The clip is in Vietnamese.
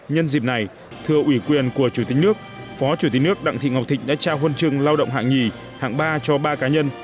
nhân dịp này thưa ủy quyền của chủ tịch nước phó chủ tịch nước đặng thị ngọc thịnh đã trao huân chương lao động hạng nhì hạng ba cho ba cá nhân